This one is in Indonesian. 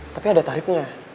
tapi ada tarifnya